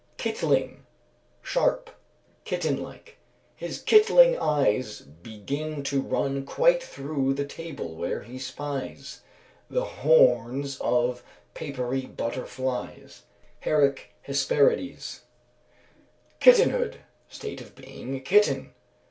Kitling. Sharp; kitten like. "His kitling eyes begin to run Quite through the table where he spies The horns of paperie butterflys." HERRICK, Hesperides. Kittenhood. State of being a kitten.